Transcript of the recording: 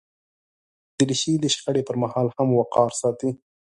دریشي د شخړې پر مهال هم وقار ساتي.